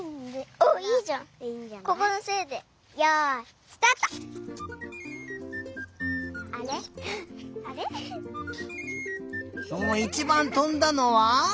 おおいちばんとんだのは？